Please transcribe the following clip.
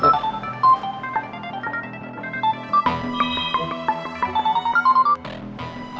terima kasih pak